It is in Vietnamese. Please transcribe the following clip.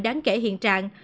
đáng kể hiện trạng